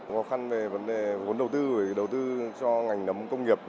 khó khăn về vấn đề vốn đầu tư gửi đầu tư cho ngành nấm công nghiệp